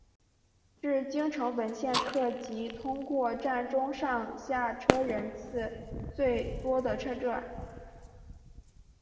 是京成本线特急通过站中上下车人次最多的车站。